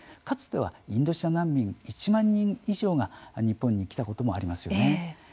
かつては、インドシナ難民１万人以上が日本に来たこともありますよね。